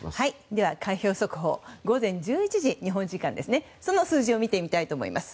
では、開票速報日本時間午前１１時その数字を見てみたいと思います。